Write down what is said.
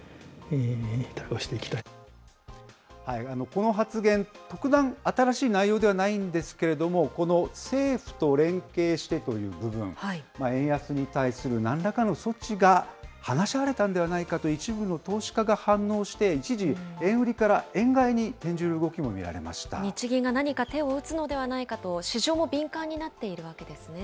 この発言、特段新しい内容ではないんですけれども、この政府と連携してという部分、円安に対するなんらかの措置が話し合われたんではないかと一部の投資家が反応して、一時、円売りから円買いに転じる動きも見られ日銀が何か手を打つのではないかと市場も敏感になっているわけですね。